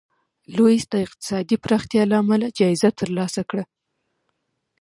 لویس د اقتصادي پراختیا له امله جایزه ترلاسه کړه.